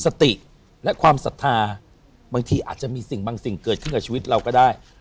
สติและความศรัทธาบางทีอาจจะมีสิ่งบางสิ่งเกิดขึ้นกับชีวิตเราก็ได้